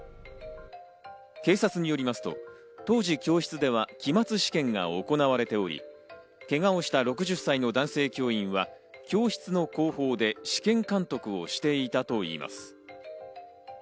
警察によりますと、当時教室では期末試験が行われており、けがをした６０歳の男性教員は教室の後方で試験監督をしていたといいます。